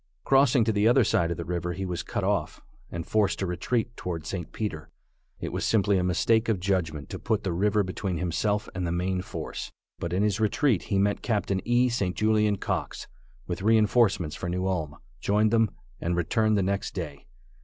Crossing to the other side of the river he was cut off, and forced to retreat toward St. Peter. It was simply a mistake of judgment to put the river between himself and the main force, but in his retreat he met Capt. E. St. Julian Cox, with reinforcements for New Ulm, joined them, and returned the next day.